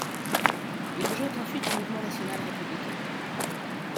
Il rejoint ensuite le Mouvement national républicain.